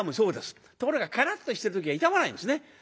ところがカラッとしてる時は痛まないんですね。